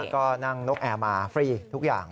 ก็นั่งนกแอร์มาฟรีทุกอย่าง